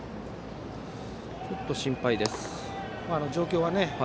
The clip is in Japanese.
ちょっと心配です。